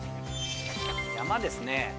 山ですね。